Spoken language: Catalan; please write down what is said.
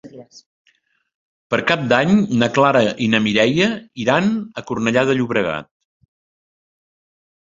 Per Cap d'Any na Clara i na Mireia iran a Cornellà de Llobregat.